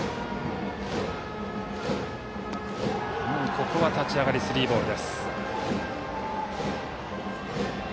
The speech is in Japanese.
ここは立ち上がりスリーボール。